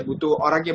butuh orang yang